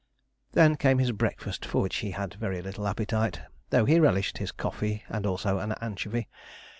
Then came his breakfast, for which he had very little appetite, though he relished his coffee, and also an anchovy.